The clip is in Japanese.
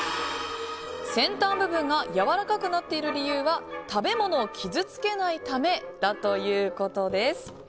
先端部分がやわらかくなっている理由は食べ物を傷つけないためだということです。